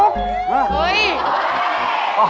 ไข่มุก